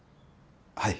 はい。